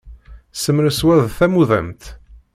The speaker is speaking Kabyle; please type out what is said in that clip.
Semres wa d tamudemt!